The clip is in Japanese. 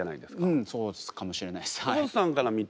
うんそうかもしれないですはい。